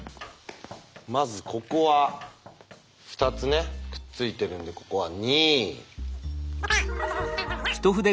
まずここは２つねくっついてるんでここは２。